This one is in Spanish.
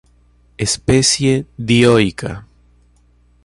Especie dioica.